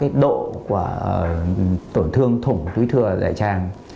cái độ của tổn thương thủng túi thừa đại tràng